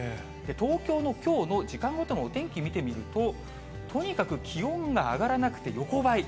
東京のきょうの時間ごとのお天気見てみると、とにかく気温が上がらなくて横ばい。